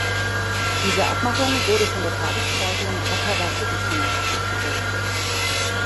Diese Abmachung wurde von der Tageszeitung "Ottawa Citizen" aufgedeckt.